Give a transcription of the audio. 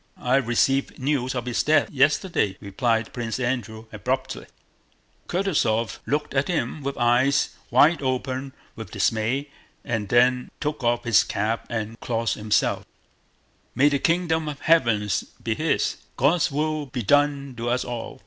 "I received news of his death, yesterday," replied Prince Andrew abruptly. Kutúzov looked at him with eyes wide open with dismay and then took off his cap and crossed himself: "May the kingdom of Heaven be his! God's will be done to us all!"